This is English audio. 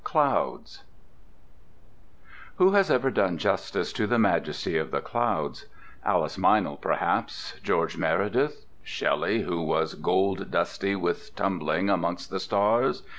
CLOUDS Who has ever done justice to the majesty of the clouds? Alice Meynell, perhaps? George Meredith? Shelley, who was "gold dusty with tumbling amongst the stars?"